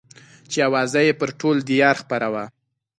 چې اوازه يې پر ټول ديار خپره وه.